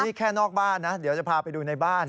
นี่แค่นอกบ้านนะเดี๋ยวจะพาไปดูในบ้าน